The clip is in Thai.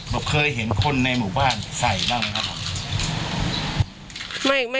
เคยเห็นคนในหมู่บ้านใส่บ้างไหมครับผม